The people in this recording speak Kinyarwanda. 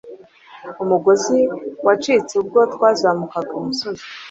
Umugozi wacitse ubwo twazamukaga umusozi